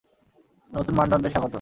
নতুন মানদণ্ডে স্বাগত।